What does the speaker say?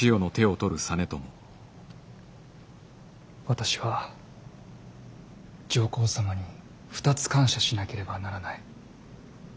私は上皇様に２つ感謝しなければならない。